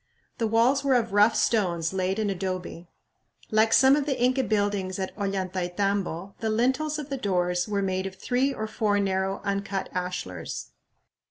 The walls were of rough stones laid in adobe. Like some of the Inca buildings at Ollantaytambo, the lintels of the doors were made of three or four narrow uncut ashlars.